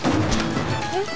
えっ？